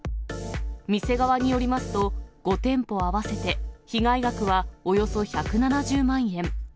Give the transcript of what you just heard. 店側によりますと、５店舗合わせて被害額はおよそ１７０万円。